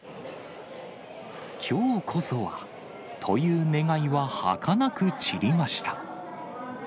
きょうこそはという願いは、はかなく散りました。